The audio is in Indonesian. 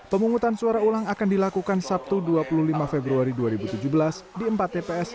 pemungutan suara ulang akan dilakukan sabtu dua puluh lima februari dua ribu tujuh belas di empat tps